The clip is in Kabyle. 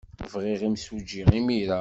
Bɣiɣ imsujji imir-a!